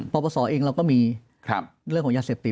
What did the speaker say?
ประวัติศาสตร์เองเราก็มีเรื่องของยาเสพติ